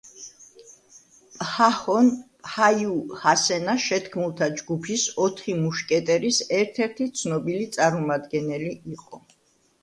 პჰაჰონ პჰაიუჰასენა შეთქმულთა ჯგუფის „ოთხი მუშკეტერის“ ერთ-ერთი ცნობილი წარმომადგენელი იყო.